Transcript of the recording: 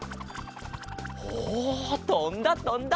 おとんだとんだ！